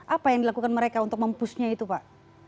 apa yang dilakukan mereka untuk mempushnya itu pak